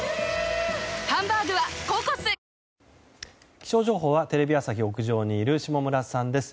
気象情報はテレビ朝日屋上にいる下村さんです。